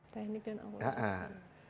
teknik dan akurasi